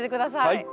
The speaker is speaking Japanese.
はい。